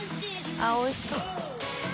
あっおいしそう。